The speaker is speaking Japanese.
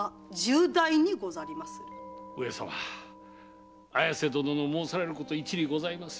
上様綾瀬殿の申されること一理ございます。